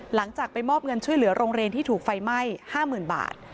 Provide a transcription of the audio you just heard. หลังจากไปมอบเงินช่วยเหลือโรงเรียนที่ถูกไฟไหม้๕๐๐๐บาท